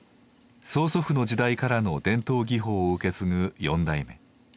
曽祖父の時代からの伝統技法を受け継ぐ４代目。